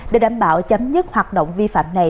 để đảm bảo chấm dứt hoạt động vi phạm này